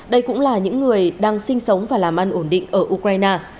đây cũng là những người đang sinh sống và làm ăn ổn định ở ukraine